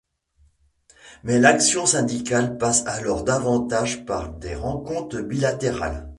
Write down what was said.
Mais l’action syndicale passe alors davantage par des rencontres bilatérales.